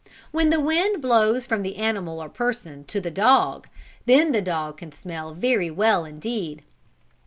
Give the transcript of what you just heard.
When the wind blows from the animal or person to the dog, then the dog can smell very well indeed.